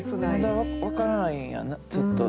まだ分からないんやなちょっと。